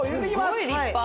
すごい立派。